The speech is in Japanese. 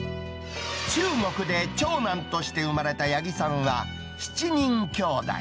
中国で長男として生まれた八木さんは、７人きょうだい。